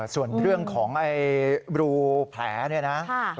ส่วนเรื่องของรูแผลเนี่ยนะ